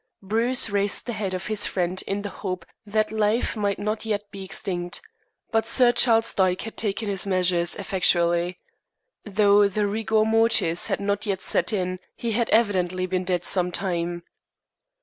Bruce raised the head of his friend in the hope that life might not yet be extinct. But Sir Charles Dyke had taken his measures effectually. Though the rigor mortis had not set in, he had evidently been dead some time.